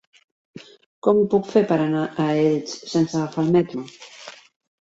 Com ho puc fer per anar a Elx sense agafar el metro?